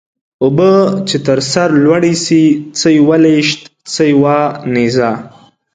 اوبه چې تر سر لوړي سي څه يوه لويشت څه يو نيزه.